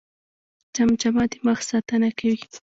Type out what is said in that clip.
جمجمه د مغز ساتنه کوي